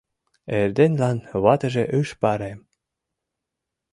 Эрденлан ватыже ыш парем.